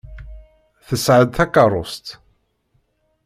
Tesɣa-d takeṛṛust.